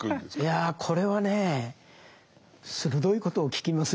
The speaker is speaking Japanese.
いやこれはね鋭いことを聞きますね。